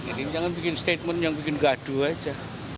jadi jangan bikin statement yang bikin gaduh aja